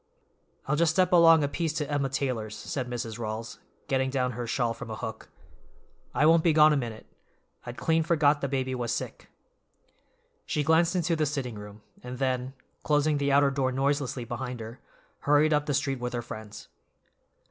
"I'll just step along a piece to Emma Taylor's," said Mrs. Rawls, getting down her shawl from a hook. "I won't be gone a minute. I'd clean forgot the baby was sick." She glanced into the sitting room, and then, closing the outer door noiselessly behind her, hurried up the street with her friends.